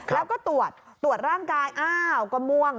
แล้วก็ตรวจตรวจร่างกายอ้าวก็ม่วง